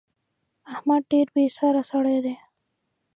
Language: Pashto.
احمد ډېر بې سره سړی دی.